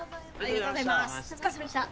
お疲れさまでした。